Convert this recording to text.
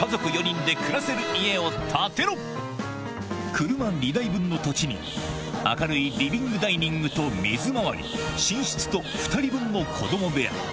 車２台分の土地に明るいリビングダイニングと水回り寝室と２人分の子供部屋